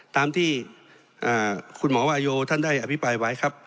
ตามที่คุณหมอวาโยท่านได้อภิปรายไว้ครับ